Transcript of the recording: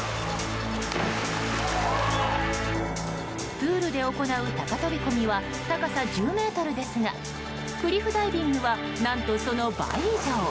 プールで行う高飛び込みは高さ１０ｍですがクリフダイビングは何と、その倍以上。